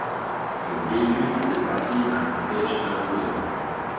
Ce véhicule faisait partie d'un cortège imposant.